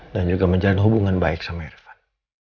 dan juga menjalin hubungan baik sama irfan